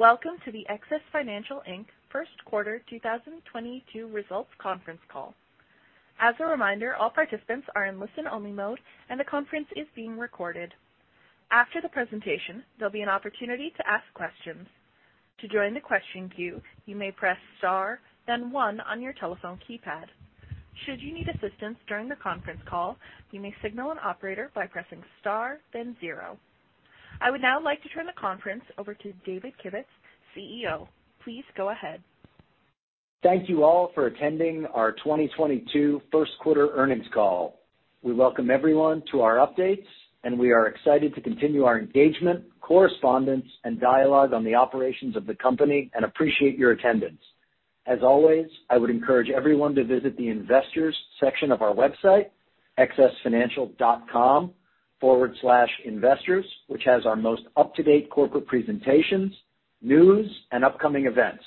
Welcome to the XS Financial Inc. Q1 2022 results conference call. As a reminder, all participants are in listen-only mode, and the conference is being recorded. After the presentation, there'll be an opportunity to ask questions. To join the question queue, you may press star, then one on your telephone keypad. Should you need assistance during the conference call, you may signal an operator by pressing star, then zero. I would now like to turn the conference over to David Kivitz, CEO. Please go ahead. Thank you all for attending our 2022 Q1 earnings call. We welcome everyone to our updates, and we are excited to continue our engagement, correspondence, and dialogue on the operations of the company and appreciate your attendance. As always, I would encourage everyone to visit the investors section of our website, xsfinancial.com/investors, which has our most up-to-date corporate presentations, news, and upcoming events.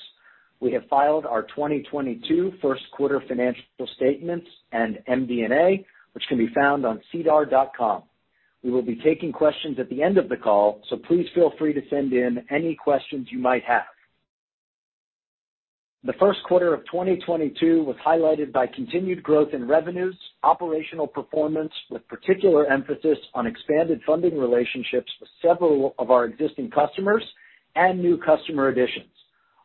We have filed our 2022 Q1 financial statements and MD&A, which can be found on sedar.com. We will be taking questions at the end of the call, so please feel free to send in any questions you might have. The Q1 of 2022 was highlighted by continued growth in revenues, operational performance, with particular emphasis on expanded funding relationships with several of our existing customers and new customer additions.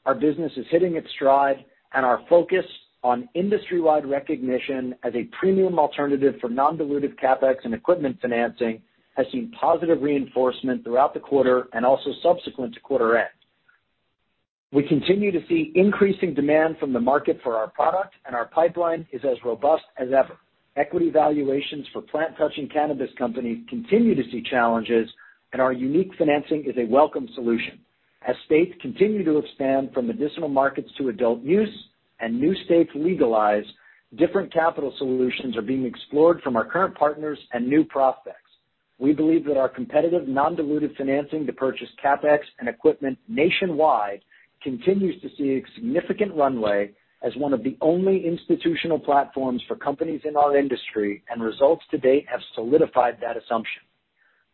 Our business is hitting its stride, and our focus on industry-wide recognition as a premium alternative for non-dilutive CAPEX and equipment financing has seen positive reinforcement throughout the quarter and also subsequent to quarter end. We continue to see increasing demand from the market for our product, and our pipeline is as robust as ever. Equity valuations for plant-touching cannabis companies continue to see challenges, and our unique financing is a welcome solution. As states continue to expand from medicinal markets to adult use and new states legalize, different capital solutions are being explored from our current partners and new prospects. We believe that our competitive non-dilutive financing to purchase CAPEX and equipment nationwide continues to see a significant runway as one of the only institutional platforms for companies in our industry, and results to date have solidified that assumption.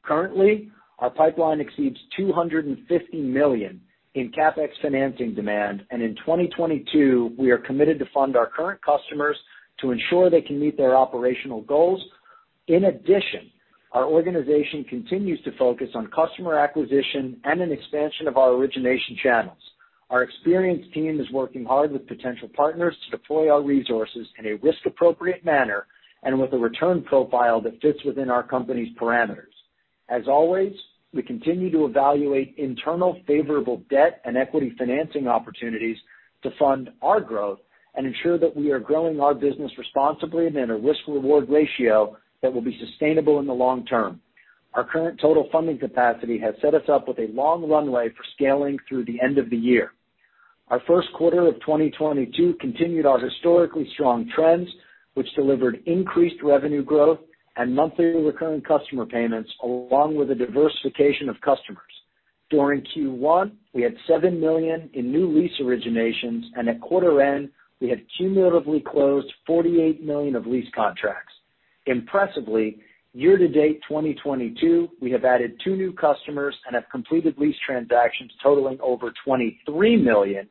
Currently, our pipeline exceeds $250 million in CAPEX financing demand, and in 2022, we are committed to fund our current customers to ensure they can meet their operational goals. In addition, our organization continues to focus on customer acquisition and an expansion of our origination channels. Our experienced team is working hard with potential partners to deploy our resources in a risk-appropriate manner and with a return profile that fits within our company's parameters. As always, we continue to evaluate internal favorable debt and equity financing opportunities to fund our growth and ensure that we are growing our business responsibly and at a risk-reward ratio that will be sustainable in the long term. Our current total funding capacity has set us up with a long runway for scaling through the end of the year. Our Q1 of 2022 continued our historically strong trends, which delivered increased revenue growth and monthly recurring customer payments, along with a diversification of customers. During Q1, we had $7 million in new lease originations, and at quarter end, we had cumulatively closed $48 million of lease contracts. Impressively, year-to-date 2022, we have added two new customers and have completed lease transactions totaling over $23 million,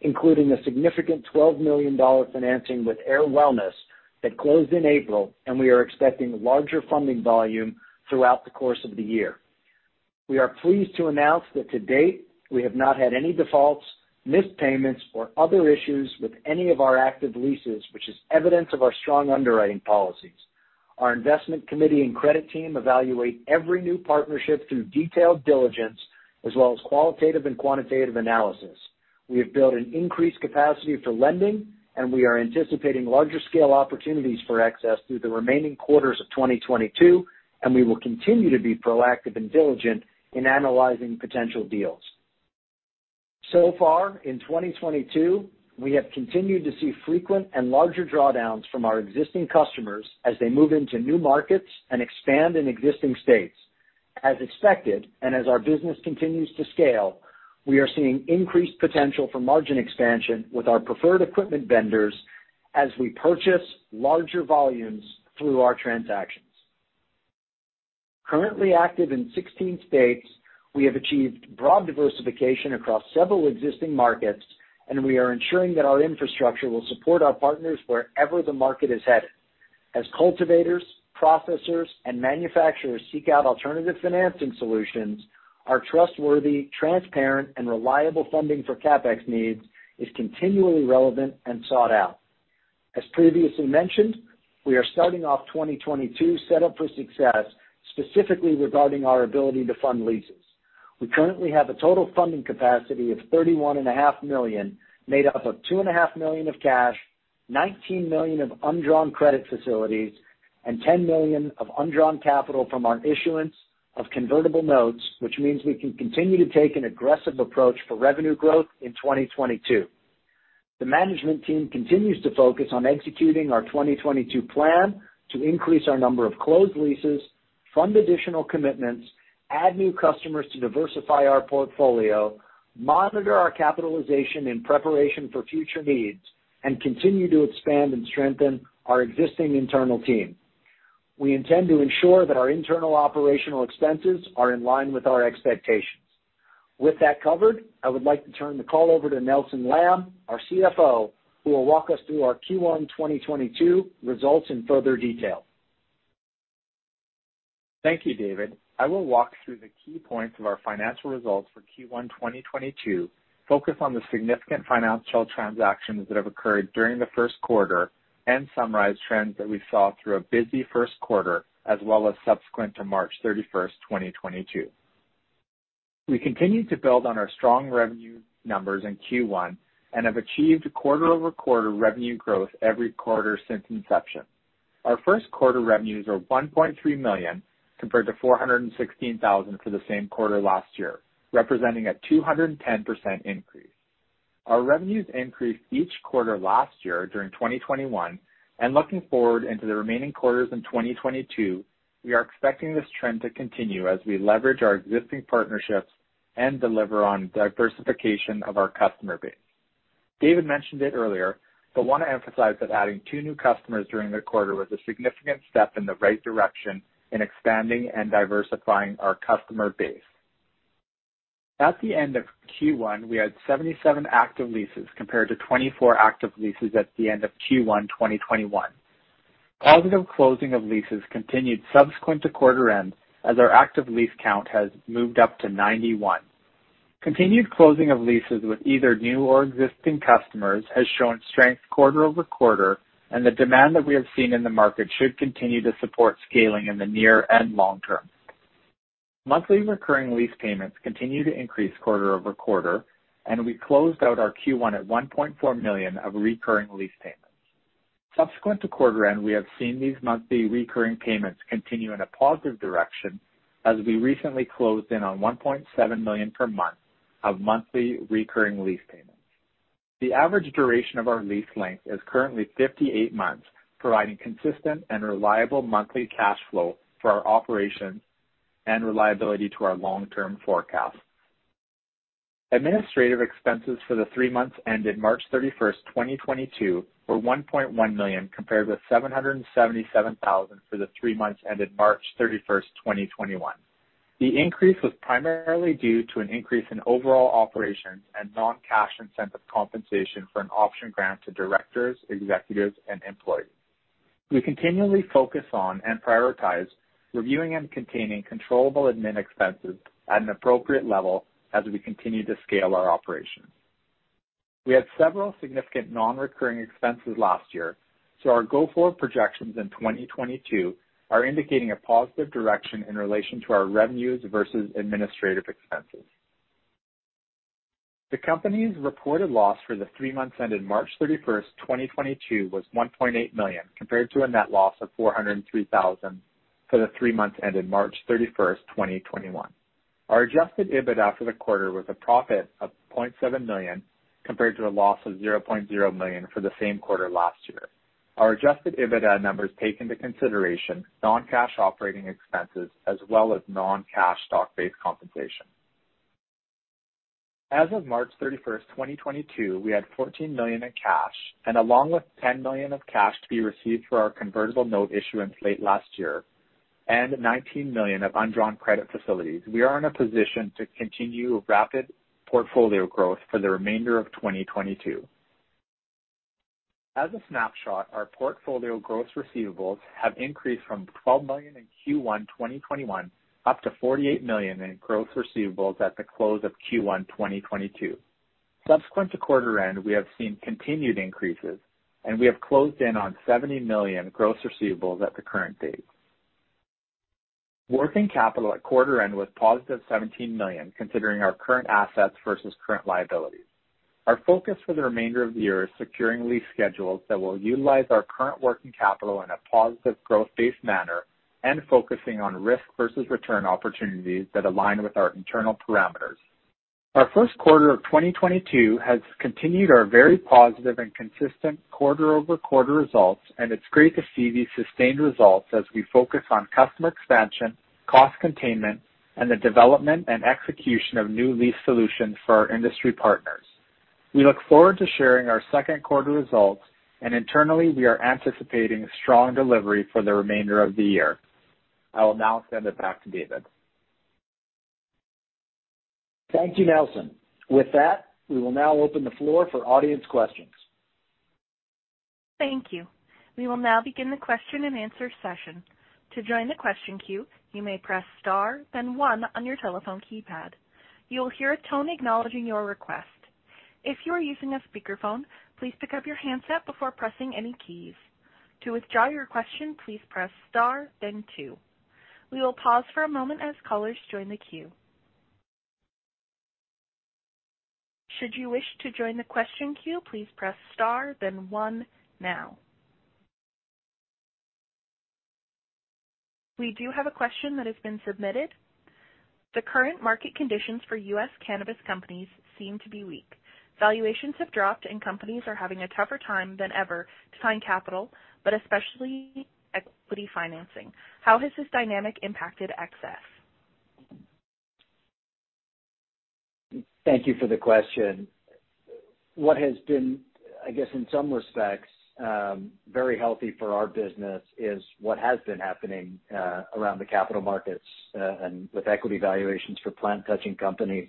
including a significant $12 million financing with Ayr Wellness that closed in April, and we are expecting larger funding volume throughout the course of the year. We are pleased to announce that to date, we have not had any defaults, missed payments, or other issues with any of our active leases, which is evidence of our strong underwriting policies. Our investment committee and credit team evaluate every new partnership through detailed diligence as well as qualitative and quantitative analysis. We have built an increased capacity for lending, and we are anticipating larger scale opportunities for access through the remaining quarters of 2022, and we will continue to be proactive and diligent in analyzing potential deals. So far in 2022, we have continued to see frequent and larger drawdowns from our existing customers as they move into new markets and expand in existing states. As expected, and as our business continues to scale, we are seeing increased potential for margin expansion with our preferred equipment vendors as we purchase larger volumes through our transactions. Currently active in 16 states, we have achieved broad diversification across several existing markets, and we are ensuring that our infrastructure will support our partners wherever the market is headed. As cultivators, processors, and manufacturers seek out alternative financing solutions, our trustworthy, transparent, and reliable funding for CAPEX needs is continually relevant and sought out. As previously mentioned, we are starting off 2022 set up for success, specifically regarding our ability to fund leases. We currently have a total funding capacity of $31.5 million, made up of $2.5 million of cash, $19 million of undrawn credit facilities, and $10 million of undrawn capital from our issuance of convertible notes, which means we can continue to take an aggressive approach for revenue growth in 2022. The management team continues to focus on executing our 2022 plan to increase our number of closed leases, fund additional commitments, add new customers to diversify our portfolio, monitor our capitalization in preparation for future needs, and continue to expand and strengthen our existing internal team. We intend to ensure that our internal operational expenses are in line with our expectations. With that covered, I would like to turn the call over to Nelson Lamb, our CFO, who will walk us through our Q1 2022 results in further detail. Thank you, David. I will walk through the key points of our financial results for Q1 2022, focus on the significant financial transactions that have occurred during the Q1, and summarize trends that we saw through a busy Q1 as well as subsequent to 31 March 2022. We continued to build on our strong revenue numbers in Q1 and have achieved quarter-over-quarter revenue growth every quarter since inception. Our Q1 revenues are $1.3 million, compared to $416,000 for the same quarter last year, representing a 210% increase. Our revenues increased each quarter last year during 2021, and looking forward into the remaining quarters in 2022, we are expecting this trend to continue as we leverage our existing partnerships and deliver on diversification of our customer base. David mentioned it earlier, but want to emphasize that adding two new customers during the quarter was a significant step in the right direction in expanding and diversifying our customer base. At the end of Q1, we had 77 active leases, compared to 24 active leases at the end of Q1 2021. Positive closing of leases continued subsequent to quarter end as our active lease count has moved up to 91. Continued closing of leases with either new or existing customers has shown strength quarter-over-quarter, and the demand that we have seen in the market should continue to support scaling in the near and long term. Monthly recurring lease payments continue to increase quarter-over-quarter, and we closed out our Q1 at $1.4 million of recurring lease payments. Subsequent to quarter end, we have seen these monthly recurring payments continue in a positive direction as we recently closed in on $1.7 million per month of monthly recurring lease payments. The average duration of our lease length is currently 58 months, providing consistent and reliable monthly cash flow for our operations and reliability to our long-term forecast. Administrative expenses for the three months ended 31 March 2022 were $1.1 million, compared with $777,000 for the three months ended 31 March 2021. The increase was primarily due to an increase in overall operations and non-cash incentive compensation for an option grant to directors, executives, and employees. We continually focus on and prioritize reviewing and containing controllable admin expenses at an appropriate level as we continue to scale our operations. We had several significant non-recurring expenses last year, so our go-forward projections in 2022 are indicating a positive direction in relation to our revenues versus administrative expenses. The company's reported loss for the three months ended 31 March 2022 was $1.8 million, compared to a net loss of $403,000 for the three months ended 31 March 2021. Our adjusted EBITDA for the quarter was a profit of $0.7 million, compared to a loss of $0.0 million for the same quarter last year. Our adjusted EBITDA numbers take into consideration non-cash operating expenses as well as non-cash stock-based compensation. As of 31 March 2022, we had $14 million in cash and along with $10 million of cash to be received for our convertible note issuance late last year and $19 million of undrawn credit facilities. We are in a position to continue rapid portfolio growth for the remainder of 2022. As a snapshot, our portfolio gross receivables have increased from $12 million in Q1 2021 up to $48 million in gross receivables at the close of Q1 2022. Subsequent to quarter end, we have seen continued increases, and we have closed in on $70 million gross receivables at the current date. Working capital at quarter end was positive $17 million, considering our current assets versus current liabilities. Our focus for the remainder of the year is securing lease schedules that will utilize our current working capital in a positive growth-based manner and focusing on risk versus return opportunities that align with our internal parameters. Our Q1 of 2022 has continued our very positive and consistent quarter-over-quarter results, and it's great to see these sustained results as we focus on customer expansion, cost containment, and the development and execution of new lease solutions for our industry partners. We look forward to sharing our Q2 results, and internally we are anticipating strong delivery for the remainder of the year. I will now send it back to David. Thank you, Nelson. With that, we will now open the floor for audience questions. Thank you. We will now begin the question and answer session. To join the question queue, you may press star then one on your telephone keypad. You will hear a tone acknowledging your request. If you are using a speakerphone, please pick up your handset before pressing any keys. To withdraw your question, please press star then two. We will pause for a moment as callers join the queue. Should you wish to join the question queue, please press star then one now. We do have a question that has been submitted. The current market conditions for US cannabis companies seem to be weak. Valuations have dropped, and companies are having a tougher time than ever to find capital, but especially equity financing. How has this dynamic impacted XS? Thank you for the question. What has been, I guess, in some respects, very healthy for our business is what has been happening around the capital markets and with equity valuations for plant-touching companies.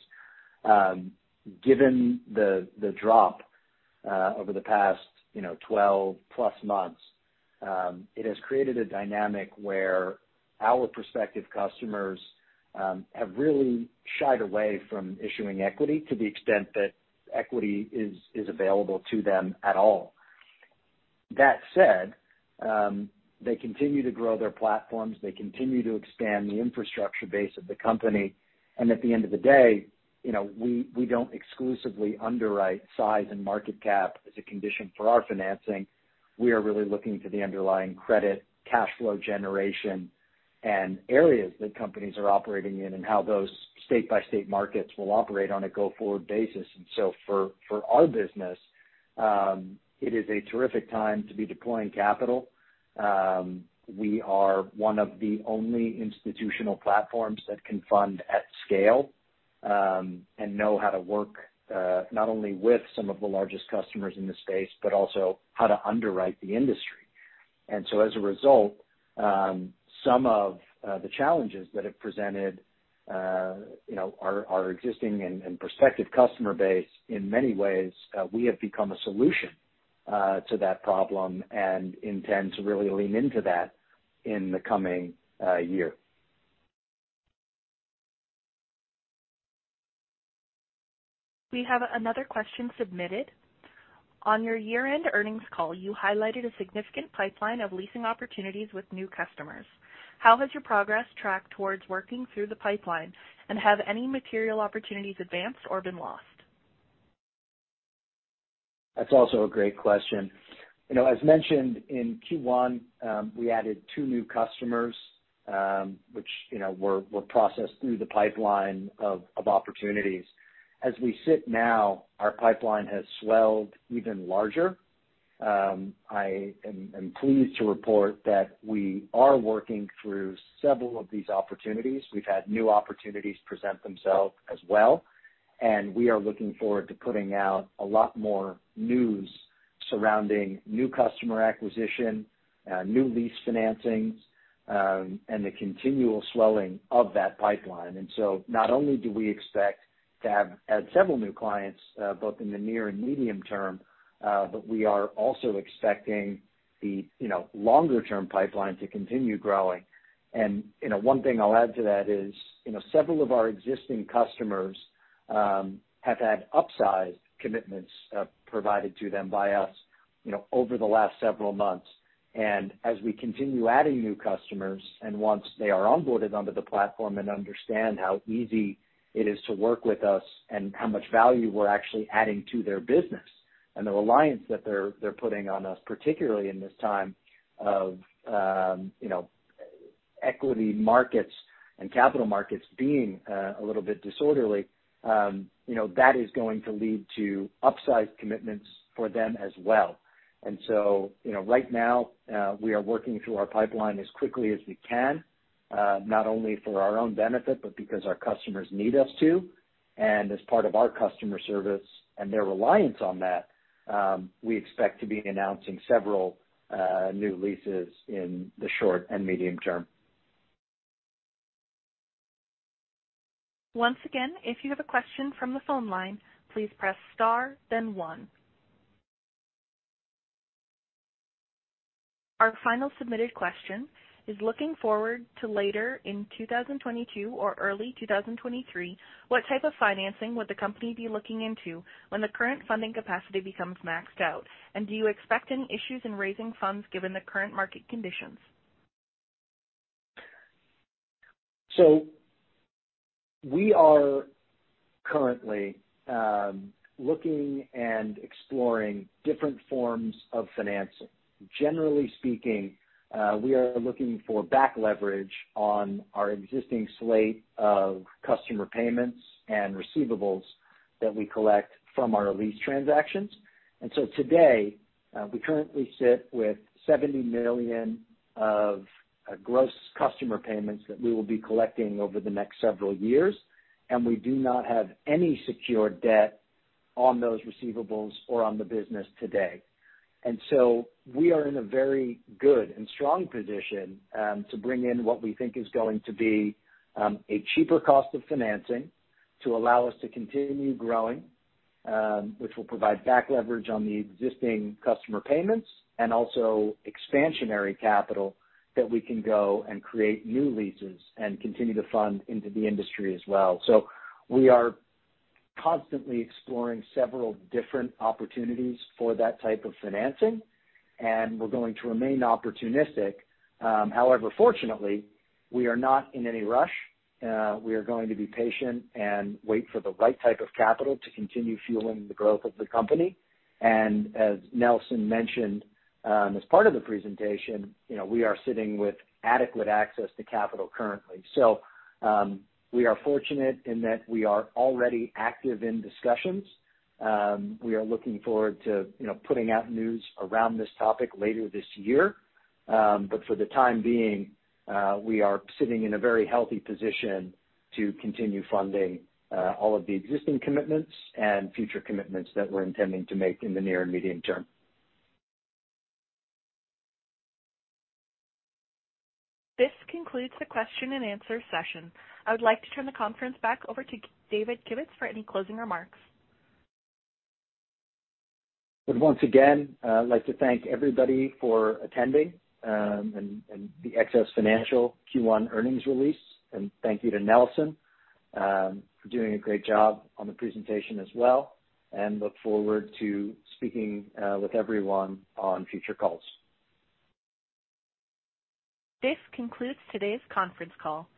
Given the drop over the past, you know, +12 months, it has created a dynamic where our prospective customers have really shied away from issuing equity to the extent that equity is available to them at all. That said, they continue to grow their platforms they continue to expand the infrastructure base of the company. At the end of the day, you know, we don't exclusively underwrite size and market cap as a condition for our financing. We are really looking to the underlying credit, cash flow generation and areas that companies are operating in and how those state-by-state markets will operate on a go-forward basis for our business, it is a terrific time to be deploying capital. We are one of the only institutional platforms that can fund at scale, and know how to work, not only with some of the largest customers in the space, but also how to underwrite the industry. As a result, some of the challenges that have presented, you know, our existing and prospective customer base, in many ways, we have become a solution to that problem and intend to really lean into that in the coming year. We have another question submitted. On your year-end earnings call, you highlighted a significant pipeline of leasing opportunities with new customers. How has your progress tracked towards working through the pipeline? and have any material opportunities advanced or been lost? That's also a great question. You know, as mentioned in Q1, we added two new customers, which, you know, were processed through the pipeline of opportunities. As we sit now, our pipeline has swelled even larger. I am pleased to report that we are working through several of these opportunities we've had new opportunities present themselves as well. We are looking forward to putting out a lot more news surrounding new customer acquisition, new lease financings, and the continual swelling of that pipeline. Not only do we expect to have had several new clients, both in the near and medium term, but we are also expecting the, you know, longer term pipeline to continue growing. You know, one thing I'll add to that is, you know, several of our existing customers have had upsized commitments provided to them by us, you know, over the last several months. As we continue adding new customers and once they are onboarded onto the platform and understand how easy it is to work with us and how much value we're actually adding to their business and the reliance that they're putting on us, particularly in this time of, you know, equity markets and capital markets being a little bit disorderly, you know, that is going to lead to upside commitments for them as well. You know, right now, we are working through our pipeline as quickly as we can, not only for our own benefit, but because our customers need us to. As part of our customer service and their reliance on that, we expect to be announcing several new leases in the short and medium term. Once again, if you have a question from the phone line, please press star then one. Our final submitted question is looking forward to later in 2022 or early 2023, what type of financing would the company be looking into when the current funding capacity becomes maxed out? And do you expect any issues in raising funds given the current market conditions? We are currently looking and exploring different forms of financing. Generally speaking, we are looking for back leverage on our existing slate of customer payments and receivables that we collect from our lease transactions. Today, we currently sit with $70 million of gross customer payments that we will be collecting over the next several years, and we do not have any secured debt on those receivables or on the business today. We are in a very good and strong position to bring in what we think is going to be a cheaper cost of financing to allow us to continue growing, which will provide back leverage on the existing customer payments and also expansionary capital that we can go and create new leases and continue to fund into the industry as well. We are constantly exploring several different opportunities for that type of financing, and we're going to remain opportunistic. However, fortunately, we are not in any rush. We are going to be patient and wait for the right type of capital to continue fueling the growth of the company. As Nelson mentioned, as part of the presentation, you know, we are sitting with adequate access to capital currently. We are fortunate in that we are already active in discussions. We are looking forward to, you know, putting out news around this topic later this year. For the time being, we are sitting in a very healthy position to continue funding all of the existing commitments and future commitments that we're intending to make in the near and medium term. This concludes the question and answer session. I would like to turn the conference back over to David Kivitz for any closing remarks. Once again, I'd like to thank everybody for attending, and the XS Financial Q1 earnings release, and thank you to Nelson for doing a great job on the presentation as well, and look forward to speaking with everyone on future calls. This concludes today's conference call. You may-